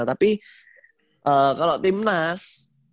tapi kalau tim nas